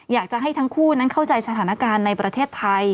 อยากจะให้ทั้งคู่นั้นเข้าใจสถานการณ์ในประเทศไทย